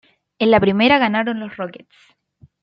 En la primera ganaron los Rockets.